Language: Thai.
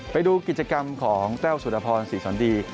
ไปดูกิจกรรมของแต้วสุรพรศรีสอนดี